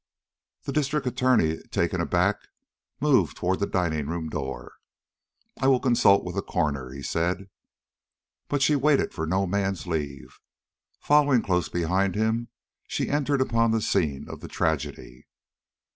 The District Attorney, taken aback, moved toward the dining room door. "I will consult with the coroner," said he. But she waited for no man's leave. Following close behind him, she entered upon the scene of the tragedy.